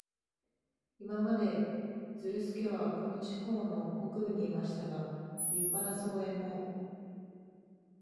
今まで、ズルスケはこの地方の北部にいましたが、立派な荘園も、